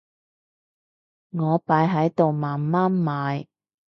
我擺喺度慢慢賣